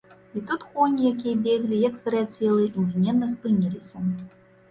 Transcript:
І тут коні, якія беглі, як звар'яцелыя, імгненна спыніліся.